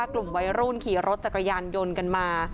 กลุ่มไว้ร่วมขี่รถจากกระยานยนต์กันมา